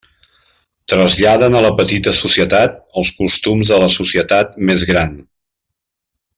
Traslladen a la petita societat els costums de la societat més gran.